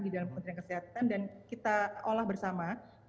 di dalam kementerian kesehatan dan kita olah bersama